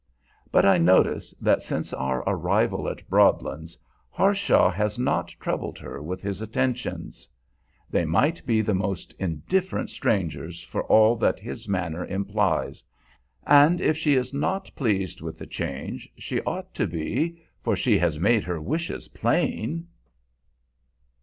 But I notice that since our arrival at Broadlands, Harshaw has not troubled her with his attentions. They might be the most indifferent strangers, for all that his manner implies. And if she is not pleased with the change, she ought to be, for she has made her wishes plain.